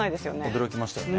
驚きましたよね。